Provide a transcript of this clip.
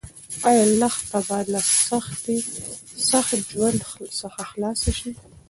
ایا لښته به له سخت ژوند څخه خلاص شي؟